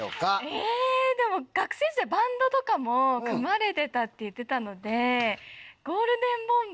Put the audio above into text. えでも学生時代バンドとかも組まれてたって言ってたので。